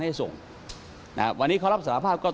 รวมถึงเมื่อวานี้ที่บิ๊กโจ๊กพาไปคุยกับแอมท์ท่านสถานหญิงกลาง